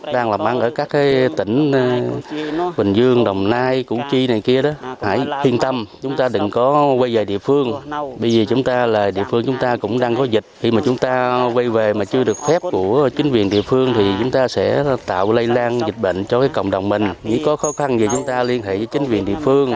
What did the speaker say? điều lây lan dịch bệnh cho cộng đồng mình những có khó khăn về chúng ta liên hệ với chính viên địa phương